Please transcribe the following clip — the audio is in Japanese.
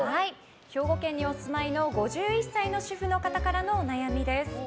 兵庫県にお住まいの５１歳の主婦の方からのお悩みです。